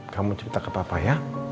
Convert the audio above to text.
kamu cerita ke bapak ya